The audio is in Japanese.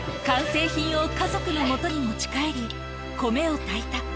完成品を家族のもとに持ち帰り、米を炊いた。